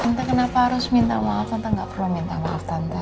tante kenapa harus minta maaf tante gak perlu minta maaf tante